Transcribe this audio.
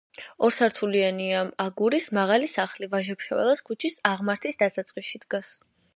ორსართულიანია, აგურის, მაღალი სახლი, ვაჟა-ფშაველას ქუჩის აღმართის დასაწყისში დგას.